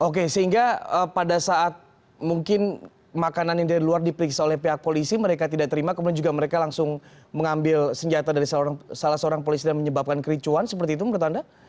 oke sehingga pada saat mungkin makanan yang dari luar diperiksa oleh pihak polisi mereka tidak terima kemudian juga mereka langsung mengambil senjata dari salah seorang polisi dan menyebabkan kericuan seperti itu menurut anda